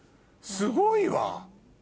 すごいわ。